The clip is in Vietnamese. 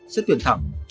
xét tuyển thẳng